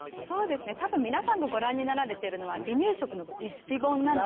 多分皆さんがご覧になられてるのは離乳食のレシピ本なので。